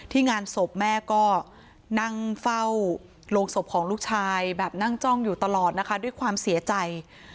งานศพแม่ก็นั่งเฝ้าโรงศพของลูกชายแบบนั่งจ้องอยู่ตลอดนะคะด้วยความเสียใจ